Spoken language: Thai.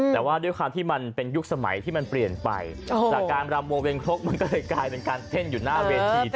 แต่ว่าด้วยความที่มันเป็นยุคสมัยที่มันเปลี่ยนไปจากการรำวงเวงครกมันก็เลยกลายเป็นการเต้นอยู่หน้าเวที